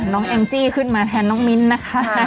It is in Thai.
แองจี้ขึ้นมาแทนน้องมิ้นนะคะ